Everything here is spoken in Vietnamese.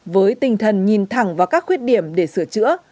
với tinh thần nhìn thẳng vào các khuyết điểm để sửa chữa